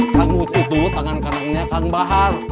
kang mus itu tangan kanannya kang bahar